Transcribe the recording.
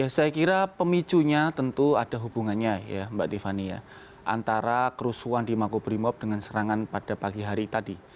saya kira pemicunya tentu ada hubungannya ya mbak tiffany ya antara kerusuhan di makobrimob dengan serangan pada pagi hari tadi